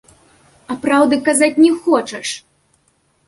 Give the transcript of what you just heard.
А праўды казаць не хочаш!